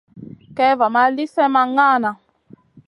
Kay va ma li slèhna ma ŋahna.